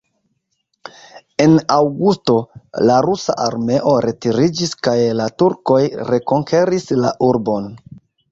En aŭgusto, la rusa armeo retiriĝis kaj la turkoj rekonkeris la urbon.